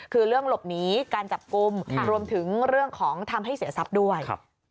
คือเรื่องหลบหนีการจับกลุ่มรวมถึงเรื่องของทำให้เสียทรัพย์ด้วย